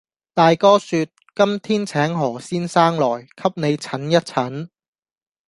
大哥説，「今天請何先生來，給你診一診。」